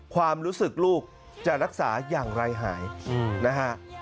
ความรู้สึกลูกจะรักษาอย่างไรหายนะฮะ